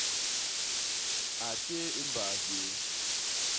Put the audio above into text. A téé i mbaa hyéé.